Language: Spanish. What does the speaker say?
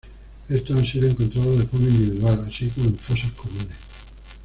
Estos han sido encontrados de forma individual, así como en fosas comunes.